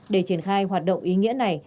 để triển khai hoạt động ý nghĩa này